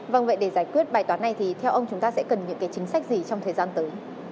vâng vậy để giải quyết bài toán này thì theo ông chúng ta sẽ cần những cái chính sách gì trong thời gian tới